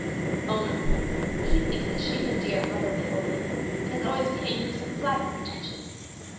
"O no. He thinks that she is a dear, motherly old lady, and is always paying her some flattering attention.